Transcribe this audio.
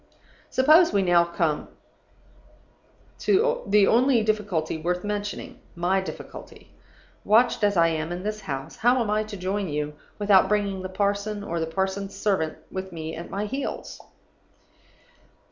"Suppose we come now to the only difficulty worth mentioning my difficulty. Watched as I am in this house, how am I to join you without bringing the parson or the parson's servant with me at my heels?